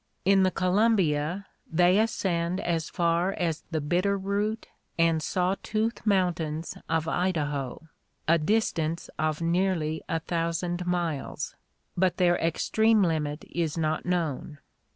In the Columbia they ascend as far as the Bitter Root and Sawtooth mountains of Idaho, a distance of nearly a thousand miles; but their extreme limit is not known.